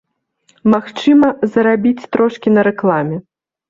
Магчыма, зарабіць трошкі на рэкламе.